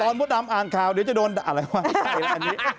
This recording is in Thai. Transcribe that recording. ตอนมดดำอ่านข่าวเดี๋ยวจะโดนอะไรวะ